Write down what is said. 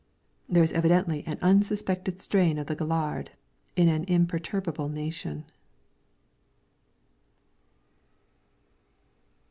There is evidently an unsuspected strain of the ' gaillard ' in an imperturbable nation.